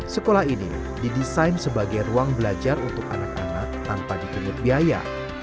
sekolah ini didesain sebagai ruang belajar untuk anak anak tanpa dipungut biaya